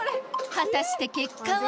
果たして結果は？